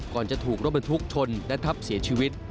จะถูกรถบรรทุกชนและทับเสียชีวิต